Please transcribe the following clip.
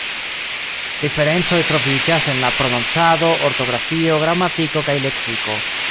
Diferencoj troviĝas en la prononcado, ortografio, gramatiko kaj leksiko.